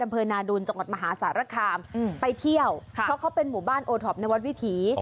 อำเภอนาดูลจังหวัดมหาสารคามไปเที่ยวเพราะเขาเป็นหมู่บ้านโอท็อปในวัดวิถี